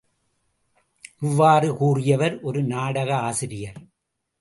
இவ்வாறு கூறியவர் ஒரு நாடக ஆசிரியர்.